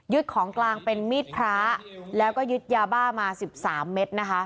ของกลางเป็นมีดพระแล้วก็ยึดยาบ้ามา๑๓เม็ดนะคะ